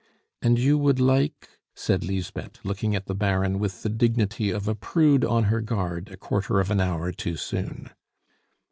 "And you would like...?" said Lisbeth, looking at the Baron with the dignity of a prude on her guard a quarter of an hour too soon.